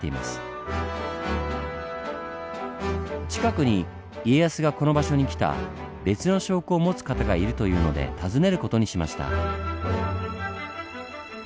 近くに家康がこの場所に来た別の証拠を持つ方がいるというので訪ねる事にしました。